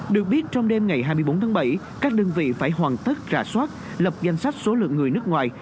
được biết trong đêm ngày hai mươi bốn tháng bảy các đơn vị phải hoàn tất rà soát lập danh sách số lượng người nước ngoài